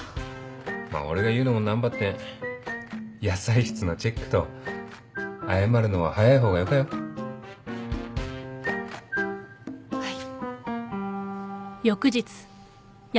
まあ俺が言うのも何ばってん野菜室のチェックと謝るのは早い方がよかよ。はい。